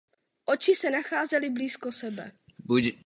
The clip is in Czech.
Oči se nacházely blízko sebe.